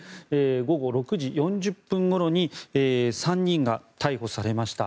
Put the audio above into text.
午後６時４０分ごろに３人が逮捕されました。